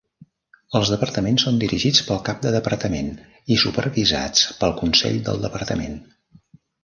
Els departaments són dirigits pel cap de departament i supervisats pel Consell del departament.